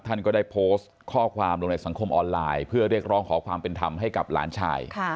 ท่านก็ได้โพสต์ข้อความลงในสังคมออนไลน์เพื่อเรียกร้องขอความเป็นธรรมให้กับหลานชาย